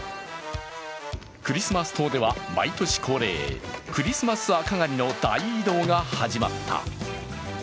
クリスマス島では毎年恒例、クリスマスアカガニの大移動が始まった。